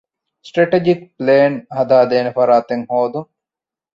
ސްޓްރެޓެޖިކް ޕްލޭން ހަދާދޭނެ ފަރާތެއް ހޯދުން